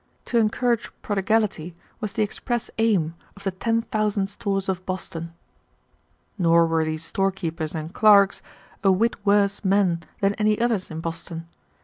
To encourage prodigality was the express aim of the ten thousand stores of Boston. Nor were these storekeepers and clerks a whit worse men than any others in Boston.